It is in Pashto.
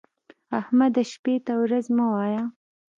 احمده! شپې ته ورځ مه وايه.